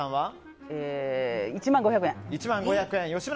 １万５００円。